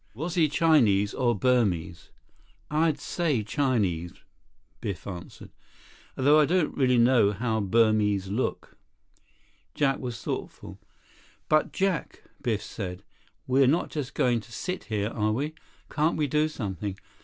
Was he Chinese, or Burmese?" "I'd say Chinese," Biff answered. "Although I don't really know how Burmese look." Jack was thoughtful. "But Jack," Biff said, "we're not just going to sit here, are we? Can't we do something?